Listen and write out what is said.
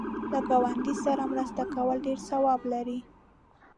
له گاونډیو سره مرسته کول ډېر ثواب لري.